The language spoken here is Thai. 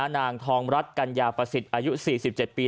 นางทองรัฐกัญญาประสิทธิ์อายุ๔๗ปี